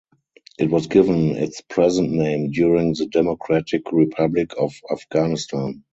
It was given its present name during the Democratic Republic of Afghanistan.